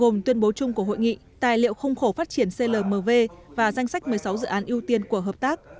gồm tuyên bố chung của hội nghị tài liệu khung khổ phát triển clmv và danh sách một mươi sáu dự án ưu tiên của hợp tác